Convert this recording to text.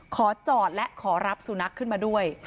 ขอจอดและขอรับสุนัขขึ้นมาด้วย